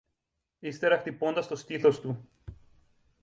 Ύστερα χτυπώντας το στήθος του